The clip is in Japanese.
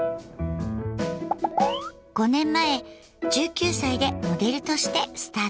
５年前１９歳でモデルとしてスタート。